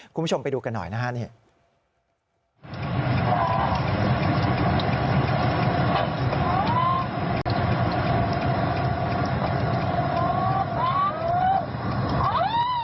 คุณผู้ชมไปดูกันหน่อยนะครับนี่